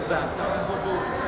bahasa orang bodoh